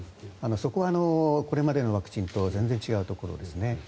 そこがこれまでのワクチンと全然違うところですね。